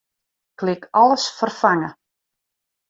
Klik Alles ferfange.